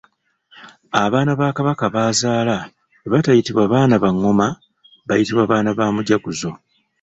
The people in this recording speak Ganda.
Abaana kabaka b’azaala bwe batayitibwa baana ba ngoma bayitibwa baana ba Mujaguzo.